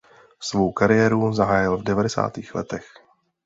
Svou kariéru zahájil v devadesátých letech.